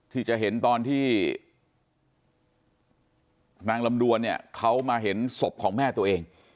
ที่จะเห็นตอนที่นางลำดวนเนี่ยเขามาเห็นศพของแม่ตัวเอง